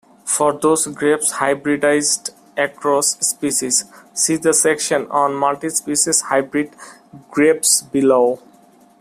For those grapes hybridized across species, see the section on multispecies hybrid grapes below.